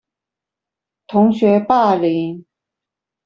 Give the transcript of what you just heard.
同學霸凌